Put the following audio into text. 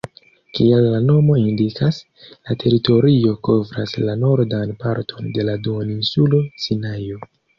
Kiel la nomo indikas, la teritorio kovras la nordan parton de la duoninsulo Sinajo.